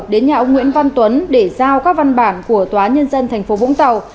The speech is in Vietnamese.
đến nhà ông nguyễn văn tuấn để giao các văn bản của tòa nhân dân tp vũng tàu